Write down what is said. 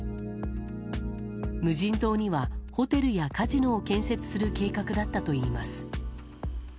無人島にはホテルやカジノを建設する計画だったといいます。